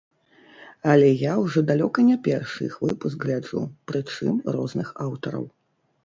Але я ўжо далёка не першы іх выпуск гляджу, прычым розных аўтараў.